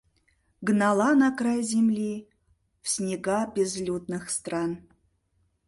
Гнала на край земли, в снега безлюдных стран